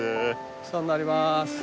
お世話になります